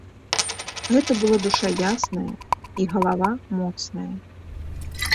Гэта была душа ясная і галава моцная.